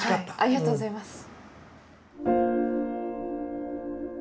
ありがとうございます。